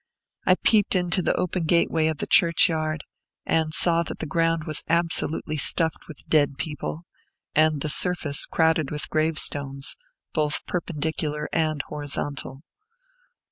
I peeped into the open gateway of the churchyard, and saw that the ground was absolutely stuffed with dead people, and the surface crowded with gravestones, both perpendicular and horizontal.